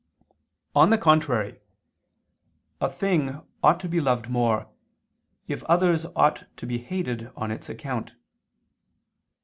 On the contrary, A thing ought to be loved more, if others ought to be hated on its account.